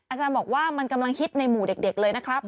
อาจารย์บอกว่ามันกำลังฮิตในหมู่เด็กเลยนะครับ